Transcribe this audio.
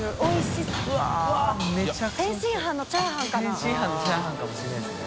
天津飯のチャーハンかもしれないですね。